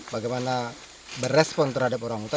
bagaimana berespon terhadap orang tua